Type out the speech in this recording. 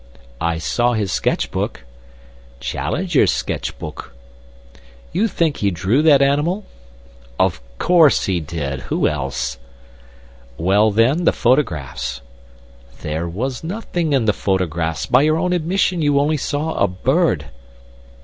"I saw his sketch book." "Challenger's sketch book." "You think he drew that animal?" "Of course he did. Who else?" "Well, then, the photographs?" "There was nothing in the photographs. By your own admission you only saw a bird."